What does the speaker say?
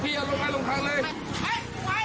พี่เอารถมาลงคังเลย